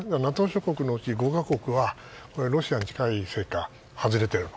ＮＡＴＯ諸国のうち５か国はロシアに近いせいか外れてる。